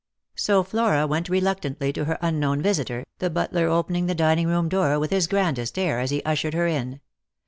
So Flora went reluctantly to her unknown visitor, the butler opening the dining room door with his grandest air as he ushered her in.